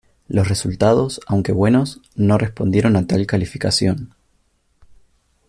Los resultados, aunque buenos, no respondieron a tal calificación.